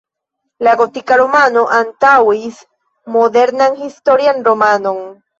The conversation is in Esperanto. La gotika romano antaŭis modernan historian romanon.